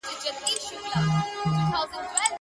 د هغه نثر له نورو څخه بېل رنګ لري تل-